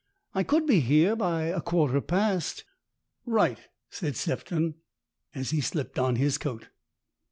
" I could be here by a quarter past." " Right," said Sefton, as he slipped on his coat.